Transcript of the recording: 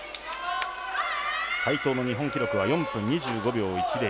齋藤の日本記録は４分２５秒１０。